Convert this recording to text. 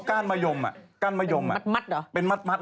ขาแตกก็คิดแบบเหมือนนางธาตุ